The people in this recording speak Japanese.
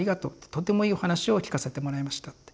とてもいいお話を聴かせてもらいました」って。